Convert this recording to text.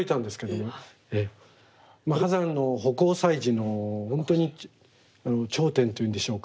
波山の葆光彩磁の本当に頂点というんでしょうか。